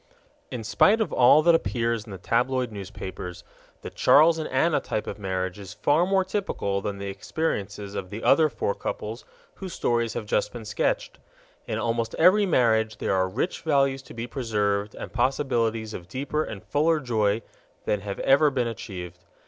In spite of all that appears in the tabloid newspapers, the Charles and Anna type of marriage is far more typical than the experiences of the other four couples whose stories have just been sketched. In almost every marriage there are rich values to be preserved and possibilities of deeper and fuller joy than have ever been achieved.